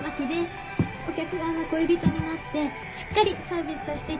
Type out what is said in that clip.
お客さんの恋人になってしっかりサービスさせていただきます。